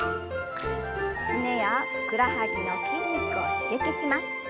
すねやふくらはぎの筋肉を刺激します。